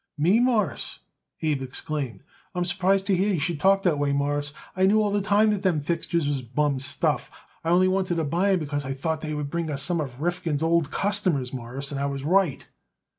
"Me, Mawruss!" Abe exclaimed. "I'm surprised to hear you should talk that way, Mawruss. I knew all the time that them fixtures was bum stuff. I only wanted to buy 'em because I thought that they would bring us some of Rifkin's old customers, Mawruss, and I was right."